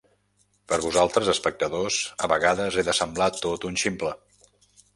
Per vosaltres espectadors, a vegades he de semblar tot un ximple.